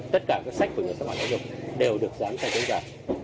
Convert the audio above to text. tất cả các sách của nhà sách bản đạo dục đều được giám sát đến giả